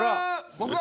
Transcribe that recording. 僕は。